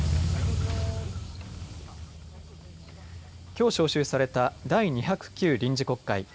きょう召集された第２０９臨時国会。